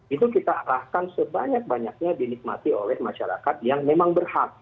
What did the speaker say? itu kita arahkan sebanyak banyaknya dinikmati oleh masyarakat yang memang berhak